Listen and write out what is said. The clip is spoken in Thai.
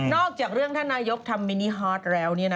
จากเรื่องท่านนายกทำมินิฮอตแล้ว